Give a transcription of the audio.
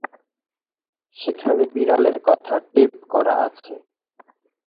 সেখানে বিড়ালের কথা টেপ করা আছে।